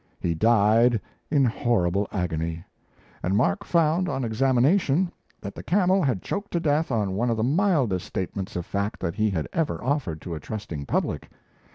He died in horrible agony; and Mark found on examination that the camel had choked to death on one of the mildest statements of fact that he had ever offered to a trusting public!